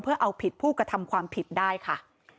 เพื่อเอาผิดผู้กระทำความผิดได้ค่ะ